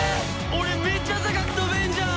俺めっちゃ高く跳べるじゃん！